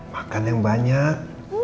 makan yang banyak